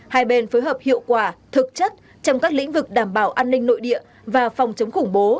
hai bên phối hợp hiệu quả thực chất trong các lĩnh vực đảm bảo an ninh nội địa và phòng chống khủng bố